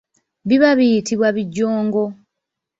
Biba biyitibwa bijongo.